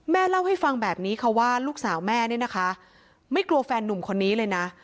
เล่าให้ฟังแบบนี้ค่ะว่าลูกสาวแม่เนี่ยนะคะไม่กลัวแฟนนุ่มคนนี้เลยนะ